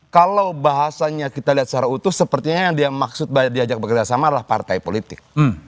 kalau bahasanya kita lihat secara utuh sepertinya yang dia maksud banyak diajak bekerjasama adalah partai politik